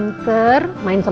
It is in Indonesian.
main sama teman teman yang pinter